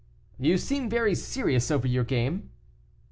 "You seem very serious over your game."